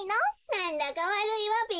なんだかわるいわべ。